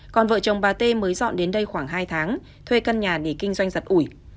còn vợ chồng bà tê mới dọn đến đây khoảng hai tháng thuê căn nhà để kinh doanh giật ủi